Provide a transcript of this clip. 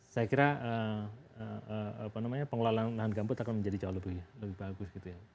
saya kira pengelolaan lahan gambut akan menjadi jualan lebih bagus